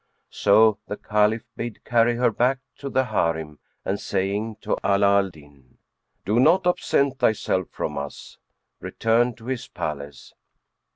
So the Caliph bade carry her back to the Harim and saying to Ala Al Din, "Do not absent thyself from us," returned to his palace.